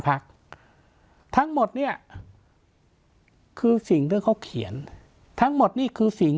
พักทั้งหมดเนี่ยคือสิ่งที่เขาเขียนทั้งหมดนี่คือสิ่ง